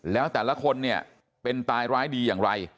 แล้วแต่ละคนเนี่ยเป็นตายร้ายดีอย่างไร